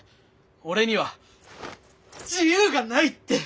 俺には自由がないって！